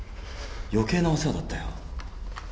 余計なお世話だったよ。